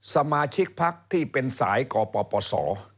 สมาชิกพักที่เป็นสายกปปศ